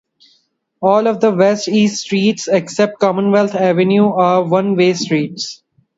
All of the west-east streets, except Commonwealth Avenue, are one-way streets.